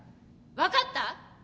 分かった？